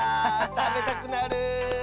たべたくなる！